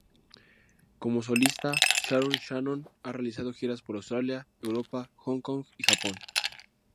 Como solista, Sharon Shannon ha realizado giras por Australia, Europa, Hong Kong y Japón.